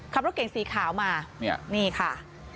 ขับรถเก่งสีขาวมานี่ค่ะ